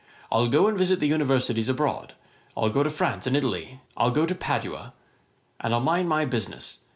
I'll go and visit the Universities abroad. I'll go to France and Italy. I'll go to Padua. And I'll mind my business.